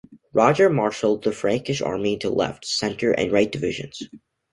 Roger marshalled the Frankish army into left, center and right divisions.